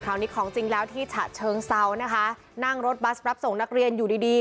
นี้ของจริงแล้วที่ฉะเชิงเซานะคะนั่งรถบัสรับส่งนักเรียนอยู่ดีดี